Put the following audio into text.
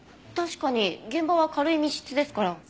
確かに現場は軽い密室ですから。